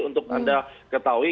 untuk anda ketahui